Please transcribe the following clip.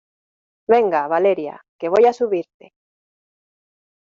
venga, Valeria , que voy a subirte.